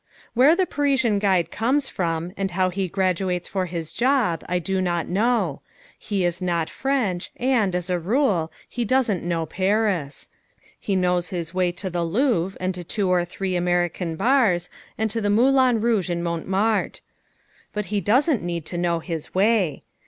Where the Parisian guide comes from and how he graduates for his job I do not know. He is not French and, as a rule, he doesn't know Paris. He knows his way to the Louvre and to two or three American bars and to the Moulin Rouge in Montmartre. But he doesn't need to know his way.